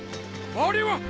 あれは！